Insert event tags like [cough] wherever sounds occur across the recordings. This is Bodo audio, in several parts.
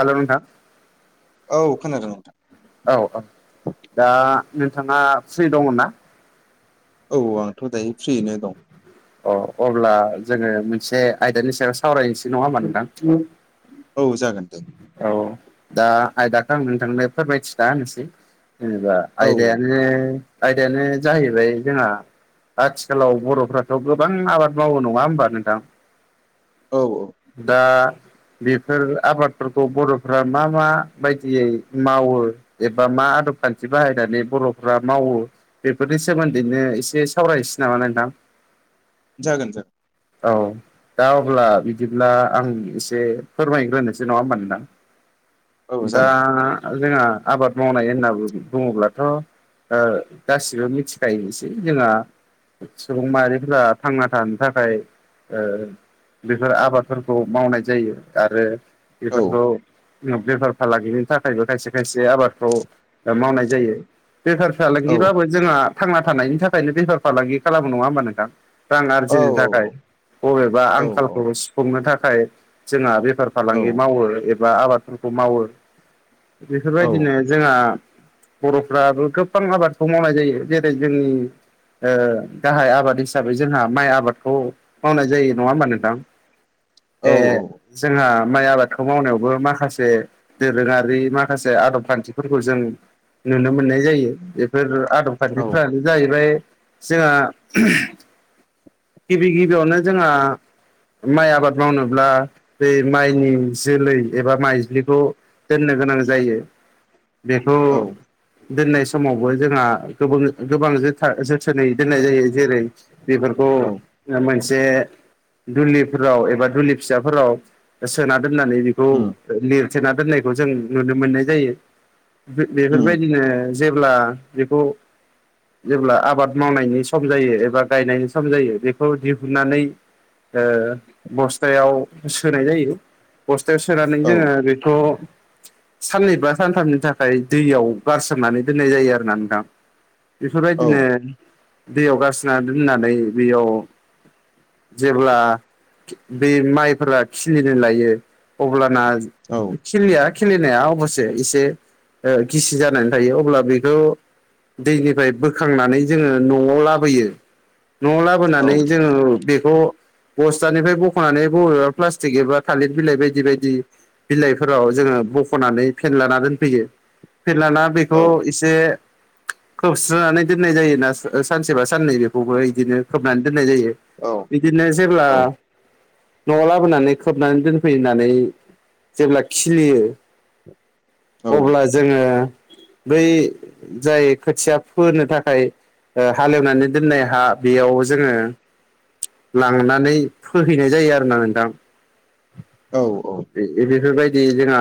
हेल' नोंथां औ खोनादों नोंथां औ-औ दा नोंथाङा फ्रि दङ' ना? औ आंथ' दायो फ्रियैनो दं अ अब्ला जोङो मोनसे आयदानि सायाव सावरायनोसै नङा होमबा नोंथां औ जागोन दे। औ दा आयदाखो आं नोंथांनो फोरमायथिना होनिसै जेनेबा औ आयदायानो आयदायानो जाहैबाय जोंहा आथिखालाव बर'फ्राथ' गोबां आबाद मावो नङा होमबा नोंथां औ-औ दा बेफोर आबाद फोरखौ बर'फ्रा मा मा बायदियै मावो एबा मा आदब खान्थि बाहायनानै बर'फ्रा मावो बेफोरनि सोमोन्दैनो एसे सावरायनोसै नामा नोंथां जागोन जागोन औ दा अब्ला बिदिब्ला आं एसे फोरमायग्रोनोसै जे नङा होमबा औ नोंथां दा जागोन जोंहा आबाद मावनाय होनना बुङोब्लाथ' ओ गासिबो मिथिखायोनोसै जोंहा सुबुं माहारिफोरा थांना थानो थाखाय ओ बेफोर आबादफोरखौ मावनाय जायो आरो औ बेफोरखौ बेफार फालांगिनि थाखायबो खायसे खायसे आबादखौ मावनाय जायो बेफार औ फालांगिबाबो जोंहा थांना थानायनि थाखायनो बेफार फालांगि खालामो नङा होमबा नोंथां रां औ आरजिनो थाखाय बबेबा औ आंखालखौ सुफुंनो थाखाय जोंहा बेफार औ फालांगि मावो एबा आबादफोरखौ मावो बेफोरबायदिनो जोंहा बर'फ्राबो गोबां आबादखौ मावनाय जायो जेरै जोंनि ओ गाहाय आबाद हिसाबै जोंहा माइ आबादखौ मावनाय जायो नङा होमबा नोंथां औ ए जोंहा माइ आबादखौ मावनायावबो माखासे दोरोङारि माखासे आदब खान्थिफोरखौ जों नुनो मोननाय जायो बेफोर आदब औ खान्थिफ्रानो जाहैबाय जोंहा गिबि गिबियावनो जोंहा माइ आबाद मावनोब्ला बे माइनि जोलै एबा माइज्लिखौ दोननो गोनां जायो बेखौ औ दोननाय समावबो जोंहा गोबां जोथा जोथोनै दोननाय जायो जेरै बेफोरखौ औ मोनसे दुलिफोराव एबा दुलि फिसाफोराव सोना दोननानै खौ उम लेरथेना दोननायखौ जों नुनो मोननाय जायो उम बेफोरबायदिनो जेब्ला बेखौ जेब्ला आबाद मावनायनि सम जायो एबा गायनायनि सम जायो बे बेखौ दिहुननानै ओ बस्थायाव सोनाय जायो। बस्थायाव सोनानै औ जोंङो बेखौ साननै बा सानथामनि थाखाय दैयाव गारसोमनानै दोननाय जायो आरोना नोंथां औ बेफोरबायदिनो दैयाव गारसिनना दोननानै बेयाव जेब्ला बे माइफोरा खिलिनो लायो अब्लाना औ खिलिया खिलिनाया अबसे एसे गिसि जानानै थायो। अब्ला बेखौ दैनिफ्राय बोखांनानै जोंङो न'आव लाबोयो न'आव औ लाबोनानै जोङो बेखौ बस्थानिफ्राय बख'नानै बबेबा प्लास्टिक एबा थालिर बिलाइ बायदि बायदि बिलाइफोराव जोंङो बख'नानै फेनलाना दोनफैयो फेनलाना औ बेखौ एसे खोबस्रनानै दोननाय जायो ना सानसेबा साननै बेखौबो इदिनो खोबनानै दोननाय जायो औ बिदिनो जेब्ला न'आव लाबोनानै खोबनानै दोनफैनानै जेब्ला खिलियो। अब्ला जोंङो बै जाय खोथिया फोनो थाखाय हाल एवनानै दोननाय हा बेयाव जोंङो लांनानै फोहैनाय जायो आरोना नोंथां औ-औ बेफोरबायदि जोंहा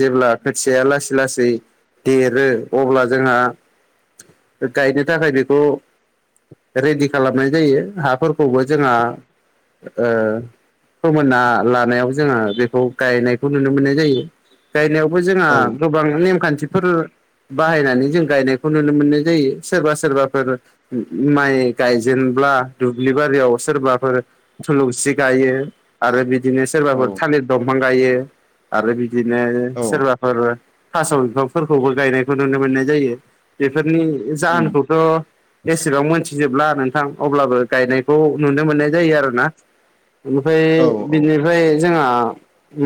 जेब्ला खोथियाया लासै लासै देरो अब्ला जोंहा गायनो थाखाय बेखौ रेडि खालाम नाय जायो। हाफोरखौबो जोंहा ओ फोमोनना लानायाव जोंङो बेखौ गायनायखौ नुनो मोननाय जायो। गायनायावबो जोंहा गोबां नेमखान्थिफोर बाहायनानै जों गायनायखौ नुनो मोननाय जायो सोरबा सोरबाफोर माइ गाय जेनेब्ला दुब्लि बारियाव सोरबाफोर थुलुंसि गायो। आरो बिदिनो सोरबाफोर थालिर दंफां गायो आरो बिदिनो सोरबा थास' बिफांफोरखौबो गायनायखौ नुनो मोननाय जायो। बेफोरनि उम जाहोनखौथ' एसेबां मोनथिजोबला नों अब्लाबो गायनायखौ नुनो मोननाय जायो आरोना बिनिफ्राय औ बिनि बेफ्राय जोंहा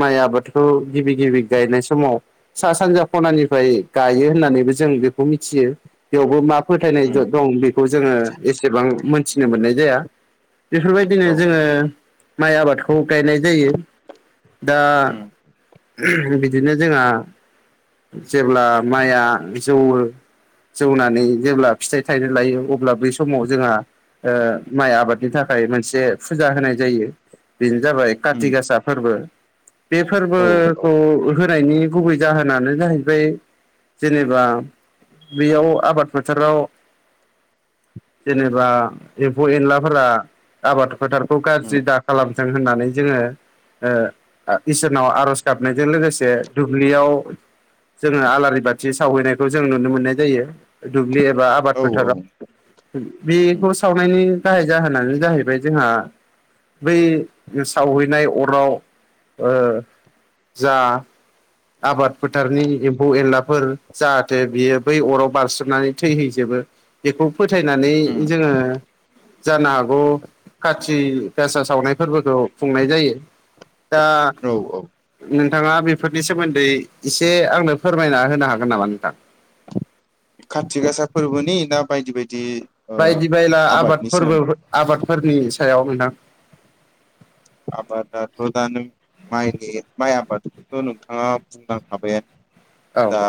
माइ आबादखौ गिबि गिबि गायनाय समाव सा सानजा खनानिफ्राय गायो होननानैबो जों बेखौ मिथियो बेवबो मा फोथायनाय उम दं बेखौ जोंङो एसेबां मोनथिनो मोननाय जाया। बेफोरबायदिनो औ जोंङो माइ आबादखौ गायनाय जायो दा उम बिदिनो जोंहा जेब्ला माइया जौयो जौनानै जेब्ला फिथाइ थाइनाय लायो अब्ला बै समाव जोंहा ओ माइ आबादनि थाखाय मोनसे फुजा होनाय जायो। बेनो जाबाय उम काति गासा फोरबो बे फोरबो औ औ खौ होनायनि गुबै जाहोनानो जाहैबाय जेनेबा बेयाव आबाद फोथाराव जेनेबा एम्फौ एनलाफोरा आबाद फोथार खौ उम गाज्रि दा खालामथों होननानै जोंङो ओ‌ इसोर नाव आर'ज गाबनायजों लोगोसे दुब्लियाव जोंङो आलारि बाथि सावहैनायखौ जों नुनो मोननाय जायो दुब्लि एबा औ आबाद फोथाराव उम बेखौ सावनायनि गाहाय जाहोनानो जाहैबाय जोंहा बै सावहैनाय अराव ओ जा आबाद फोथारनि एम्फौ एनलाफोर जाहाथे बियो बै अराव बारसोमनानै थैहैजोबो बेखौ फोथायनानै उम जोङो जानो हागौ काति गासा सावनाय फोरबोखौ खुंनाय जायो। दा औ औ नोंथाङा बेफोरनि सोमोन्दै एसे आंनो फोरमायना होनो हागोन नामा नोंथां? खाति गासा फोरबोनि ना बायदि बायदि ओ बायदि बायला आबादनि आबादफोरबो सोमोन्दै आबादफोरनि सायाव नोंथां। आबादाथ' दा नों माइनि माइ आबादथ' नोंथाङा बुंलांखाबायानो औ दा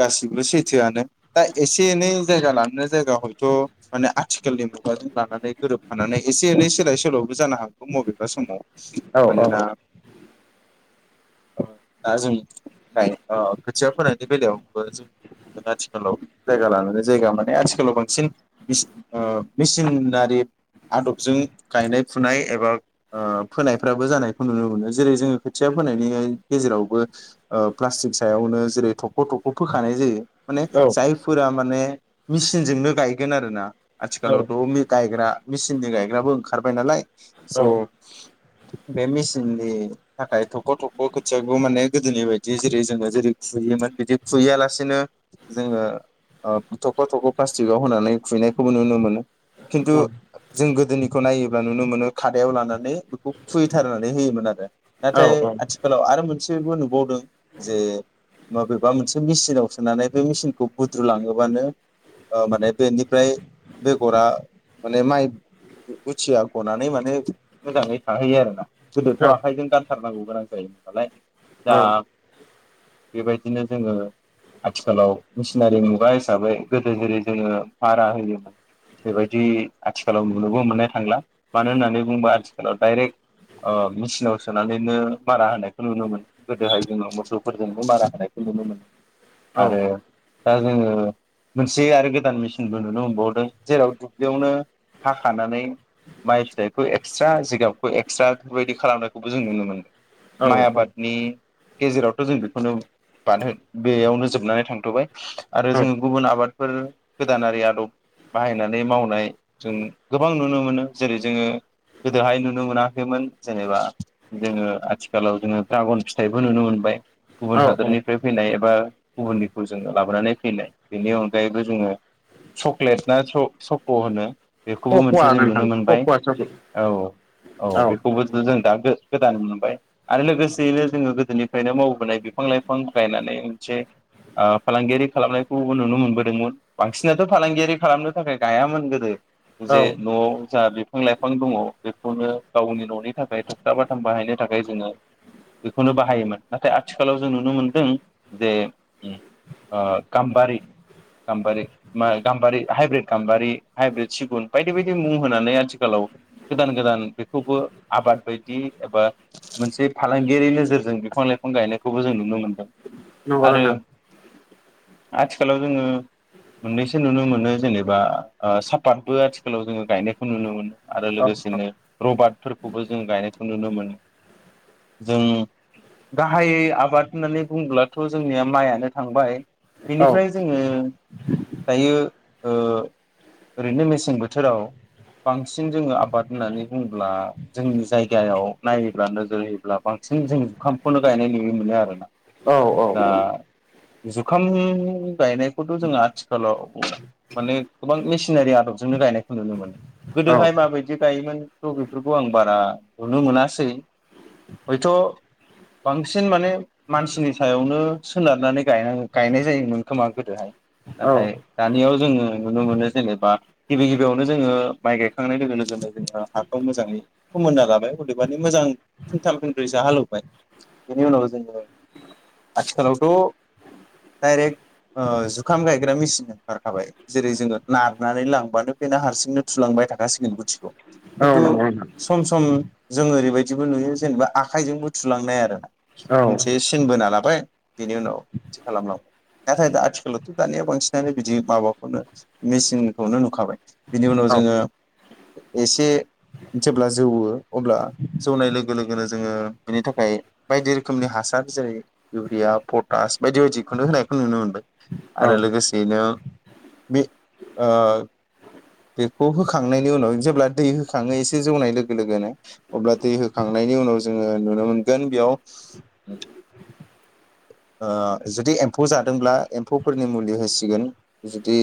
गासिबो सैथोआनो। दा एसे एनै जायगा लानानै जायगा हयथ' माने आथिखालनि मुगाजों लानानै गोरोब फानानै एसे एनै सोलाय सोल'बो जानो हागौ मबेबा समाव औ मानोना औ दा जों गाय अ खोथिया फोनायनि बेलायाव बो जों आथिखालाव जायगा लानानै जायगा माने आथिखालाव बांसिन मेचिन ओ मेचिनारि आदबजों गायनाय फुनाय एबा ओ फोनायफ्राबो जानायखौ नुनो मोनो जेरै जोङो खोथिया फोनायनिहाय गेजेरावबो ओ प्लास्टिक सायावनो जेरै थख' थ ख' फोखानाय जायो माने जायफोरा माने मेचिनजोंनो गायगोन आरोना। औ आथिखालावथ' गायग्रा मेचिननि गायग्राबो ओंखारबाय नालाय स' [inaudible] बे मिचिननि थाखाय थख' थख' खोथियाखोबो माने गोदोनि बायदि जेरै जोङो जेरै खुयोमोन बिदि फुयालासिनो जोङो ओ थख' थख' प्लास्टिकआव होनानै खुङैनायखौबो नुनो मोनो। खिन्थु जों गोदोनिखौ नायोब्ला नुनो मोनो खादायाव लानानै खौ खुयैथारनानै होयोमोन आरो औ नाथाय आथि ओनसोलाव आरो मोनसेबो नुबावदों जे माबे बा मोनसे मेचिनाव सोनानै बे मेचिनखौ बुद्रुलाङोबानो ओ माने बेनिफ्राय बेगरा माने माइ गुथिया गनानै माने मोजाङै थाहैयो आरोना। गोदोथ' आखाइजों दांथारनांगौ गोनां जायोमोन नालाय दा बेबाय इदिनो जोङो आथिखालाव मिचिनारि मुगा हिसाबै गोदो जेरै जोङो मारा होयोमोन बेबायदि आथिखालाव नुनोबो मोननो थांला मानो होननानै बुंबा आथिखालाव डाइरेक्ट ओ मेचिनाव सोनानैनो मारा होनायखौ नुनो मोनो गोदोहाय जोङो मोसौफोरजोंनो मारा होनाय खौ नुनो मोनो आरो दा जोङो मोनसे आरो गोदान मेचिनबो नुनो मोनबावदों जेराव दुब्लियावनो हाखानानै माइ फिथाइखौ एक्सट्रा जिगाबखौ एक्सट्रा बेफोरबायदि खालामनायखौबो जों नुनो मोनो। औ औ माइ आबादनि गेजेरावथ' जों बेखौनो बानहो बेयावनो जोबनानै थांथ'बाय आरो जोङो गुबुन आबादफोर गोदानारि आदब बाहायनानै मावनाय जों गोबां नुनो मोनो जेरै जोङो गोदोहाय नुनो मोनाखैमोन जेनेबा जोङो आथिखालाव जोङो ड्रागन फिथाइबो नुनो मोनबाय गुबुन औ हा औ निफ्राय फैनाय एबा गुबुननिखौ जोङो लाबोनानै फैनाय बेनि अनगायैबो जोङो चक्लेट ना सक' होनो? बेखौबो कक'वा मोनसे जों नुनो नोंथां मोनबाय कक'वा चक्लेट औ औ बेखौबोथ' जों दा गो गोदान मोनबाय आरो लोगोसेयैनो जोङो गोदोनिफ्रायनो मावबोनाय बिफां लाइ फां गायनानै मोनसे ओ फालांगियारि खालामनायखौबो नुनो मोनबोदोंमोन। बांसिनाथ' फालांगियारि खालामनो थाखाय गायामोन गोदो जे औ न'आव जा बे बिफां लाइफां दङ' बेखौनो गावनि न'नि थाखाय थगथा बाथाम बानायनो थाखाय जोङो बेखौनो बाहायोमोन नाथाय आथिखालाव जों नुनो मोनदों जे उम ओ गाम्बारि गाम्बारि मा गाम्बारि हाइब्रिद गाम्बारि हाइब्रिद सिगुन बायदि बायदि मुं होनानै आथिखालाव गोदान गोदान बेखौबो आबाद बायदि एबा मोनसे फालांगियारि नोजोरजों बिफां लाइफां गायनाय खौबो जों नुनो मोनदों नंगौ आरो नोंथां आथिखालाव जोङो मोननैसो नुनो मोनो जेनेबा ओ सापातबो आथिखालाव जोङो गायनायखौ नुनो मोनो। आरो औ लोगोसेनो रबाटफोरखौबो जों गायनायखौ नुनो मोनो जों गाहायै आबाद होननानै बुंङोब्लाथ' जोंनिया माइयानो थांबाय औ बिनिफ्राय जोङो दायो ओ ओरैनो मेसें बोथोराव बांसिन जोङो आबाद होननानै बुङोब्ला जोंनि जायगायाव नायोब्ला नोजोर होयोब्ला बांसिन जों जुखामखौनो गायनाय नुयो। मोनो आरो ना औ दा जुखाम गायनाय खौथ' जोंङो आथिखालाव माने गोबां मेसिनारि आदबजोंनो गायनायखौ नुनो मोनो। औ गोदोहाय माबायदि गायोमोन आंथ' बेफोरखौ आं बारा नुनो मोनासै हयथ' बांसिन माने मानसिनि सायावनो सोनारनानै गाया गायनाय जायोमोन खोमा गोदोहाय। औ नाथाय दानियाव जोङो नुनो मोनो जेनेबा गिबि गिबियावनो जोङो माइ गायखांनाय लोगो लोगोनो जोङो हाखौ मोजाङै फोमोनना लाबाय अदेबानि मोजां फिनथाम फिनब्रैसो हालेवबाय बेनि उनाव जोङो आथिखालावथ' डाइरेक्ट ओ जुखाम गायग्रा मेचिन ओंखारखाबाय। जेरै जोङो नारनानै लांबानो बेनो हारसिंनो थुलांबाय थाखासिगोन गुथिखौ। खिन्थु नंगौ नोंथां सम सम जों ओरैबायदिबो नुयो जेनेबा आखाइजोंबो थुलांनाय आरोना। औ मोनसे सिन बोना लाबाय बिनि उनाव थि खालामलांबाय। नाथाय दा आथिखालावथ' दानिया बांसिनानो बिदि माबाखौनो मेचिनखौनो नुखाबाय। बिनि उनाव औ जोङो एसे जेब्ला जौवो अब्ला जौनाय लोगो-लोगोनो जोङो बेनि थाखाय बायदि रोखोमनि हासार जेरै इउरिया पटास बायदि बायदि खुनु होनायखौ नुनो मोनबाय औ आरो लोगोसे बेनो बे ओ बेखौ होखांनायनि उनाव जेब्ला दै होखाङो एसे जौनाय लोगो-लोगोनो अब्ला दै होखांनायनि उनाव जोङो नुनो मोनगोन बेयाव [inaudible] आ जुदि एम्फौ जादोंब्ला एम्फौफोरनि मुलि होसिगोन जुदि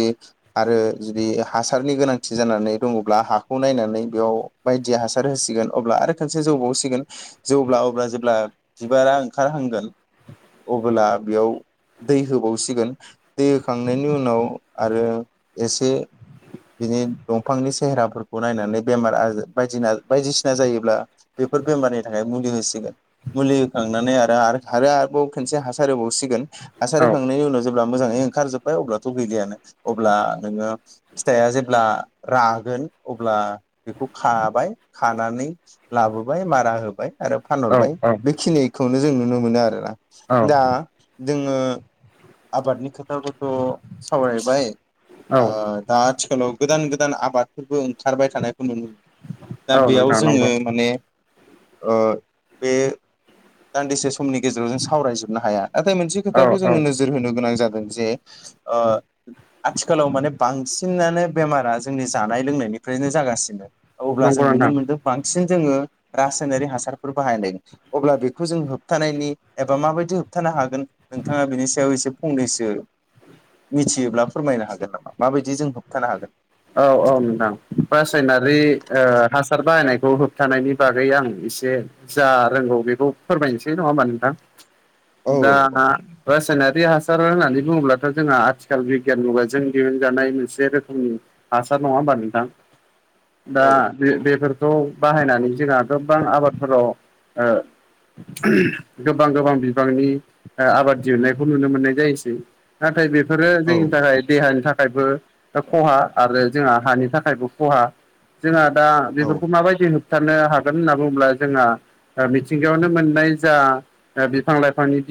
आरो जुदि हासारनि गोनांथि जानानै दङ'ब्ला हाखौ नायनानै बेयाव बायदि हासार होसिगोन अब्ला आरो खनसे जौबावसिगोन जौब्ला अब्ला जेब्ला बिबारा ओंखारहांगोन अबोला बेयाव दै होबावसिगोन दै होखांनायनि उनाव आरो एसे बिनि दंफांनि सेहेराफोरखौ नायनानै बेमार आजार बायदिना बायदिसिना जायोब्ला बेफोर बेमारनि थाखाय मुलि होसिगोन। मुलि होखांनानै आरो आरो आरोबाव खनसे हासार होबावसिगोन हासार होखांनायनि उनाव जेब्ला मोजाङै ओंखारजोब्बाय अब्लाथ' गैलियानो अब्ला नोङो फिथाया जेब्ला रागोन अब्ला बेखौ खाबाय खानानै लाबोबाय मारा होबाय आरो फानहरबाय औ बेखिनिखौनो जों नुनो मोनो आरोना दा जोङो आबादनि खोथाखौथ' सावरायबाय औ आ दा आथिखालाव गोदान गोदान आबादफोरबो ओंखारबाय थानायखौ नुनो मोनो। दा औ बेयाव नोंथां जोंङो नंगौ माने बे दान्दिसे समनि गेजेराव जों सावरायजोबनो हाया नाथाय मोनसे औ खोथाखौ जोनोर नोजोर होनो गोनां जागोन जे ओ आथिखालाव माने बांसिनानो बेमारा जोंनि जानाय लोंनायनिफ्रायनो जागासिनो। अब्ला नंगौ जों नुनो नोंथां मोन्दों बांसिन जोंङो रासायनारि हासारफोर बाहायनाय अब्ला बेखौ जों होबथानायनि एबा माबायदि होबथानो हागोन नोंथांङा बिनि सायाव एसे फंनैसो मिथियोब्ला फोरमायनो हागोन नामा माबायदि जों होबथानो हागोन औ-औ नोंथां रासायनारि हासार बाहायनायखौ होबथानायनि बागै आं एसे जा रोंगौ बेखौ फोरमायनोसै नङा होमबा नोंथां औ दा रासायनारि हासार होननानै बुंङोब्लाथ' जोंहा आथिखाल बिगियान मुगाजों दिहुनजानाय मोनसे रोखोमनि हासार नङा होमबा नोंथां दा औ बेफोरखौ बाहायनानै जोंहा गोबां आबादफोराव गोबां गोबां बिबांनि आबाद दिहुननायखौ नुनो मोननाय जायोसै नाथाय बेफोरो औ जोंनि थाखाय देहानि थाखायबो खहा आरो जोंहा हानि थाखायबो खहा जोंहा दा औ बेफोरखौ माबायदि हो होबथानो हागोन होनना बुंङोब्ला जोंहा मिथिंगायावनो मोननाय जा बिफां लाइफांनि